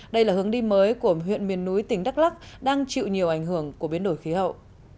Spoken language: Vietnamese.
đây là hướng đi mới của huyện miền núi tỉnh đắk lắc đang chịu nhiều ảnh hưởng của biến đổi khí hậu